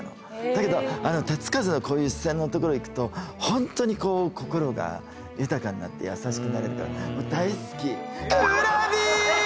だけど手付かずのこういう自然の所へ行くと本当にこう心が豊かになって優しくなれるからもう大好き。